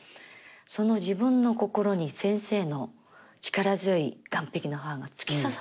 その自分の心に先生の力強い「岸壁の母」が突き刺さったんです。